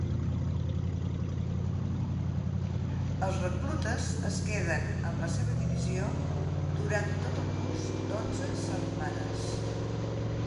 Els reclutes es queden amb la seva divisió durant tot el curs d'onze setmanes.